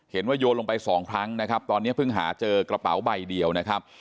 โยนลงไปสองครั้งนะครับตอนนี้เพิ่งหาเจอกระเป๋าใบเดียวนะครับ